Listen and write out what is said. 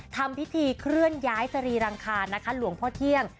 ทำพิธีเคลื่อนย้ายสรีรังคารนะคะหลวงพ่อเที่ยง